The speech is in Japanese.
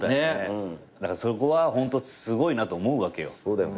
そこはすごいなと思うわけよ。